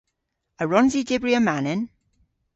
A wrons i dybri amanen?